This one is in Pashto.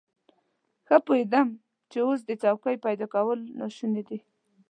ښه پوهېدم چې اوس د څوکۍ پيدا کول ناشوني دي.